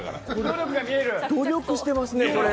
努力してますね、これ。